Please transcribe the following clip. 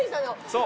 そう。